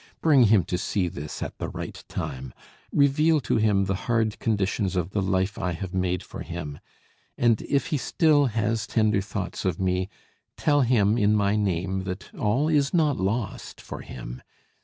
Bring him to see this at the right time; reveal to him the hard conditions of the life I have made for him: and if he still has tender thoughts of me, tell him in my name that all is not lost for him.